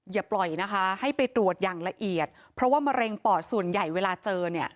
อย่าปล่อยนะคะให้ไปตรวจอย่างละเอียดเพราะว่ามะเร็งปอดส่วนใหญ่เวลาเจอเนี่ย